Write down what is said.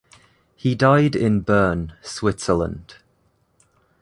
He died in Bern, Switzerland.